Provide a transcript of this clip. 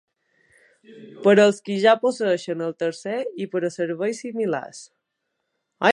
Per als qui ja posseeixen el tercer i per a serveis similars.